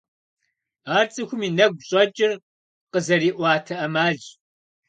Ар цӀыхум и нэгу щӀэкӀыр къызэриӀуэта Ӏэмалщ.